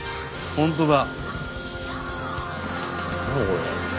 本当だ。